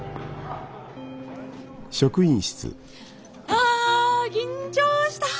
あ緊張した。